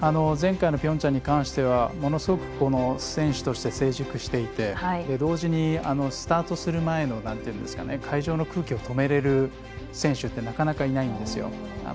前回のピョンチャンに関しては、ものすごく選手として成熟していて同時にスタートする前の会場の空気を止められる選手はなかなかいないんですよ。